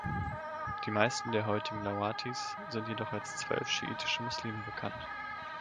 Die meisten der heutigen Lawatis sind jedoch als zwölf schiitische Muslime bekannt.